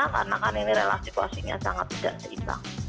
karena kan ini relasi situasinya sangat tidak terlisak